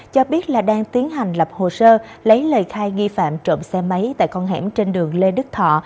cho biết là đang tiến hành lập hồ sơ lấy lời khai nghi phạm trộm xe máy tại con hẻm trên đường lê đức thọ